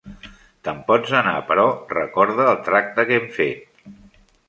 Te'n pots anar, però recorda el tracte que hem fet.